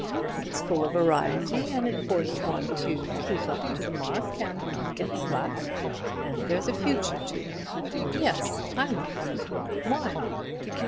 It is full of variety and it forces one to keep up to the mark and not get slack. And there's a future to it. Yes, I like it. Why?"